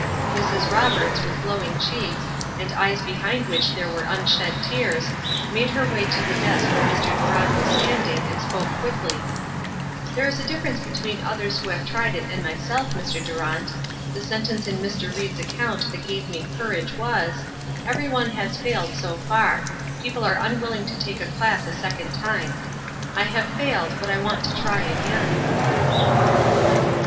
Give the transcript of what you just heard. Mrs. Roberts, with glowing cheeks, and eyes behind which there were unshed tears, made her way to the desk where Mr. Durant was standing, and spoke quickly: "There is a difference between others who have tried it and myself, Mr. Durant. The sentence in Mr. Ried's account that gave me courage was, 'Every one has failed, so far; people are unwilling to take the class a second time.' I have failed, but I want to try again."